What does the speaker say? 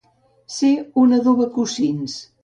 Ser un adobacossis.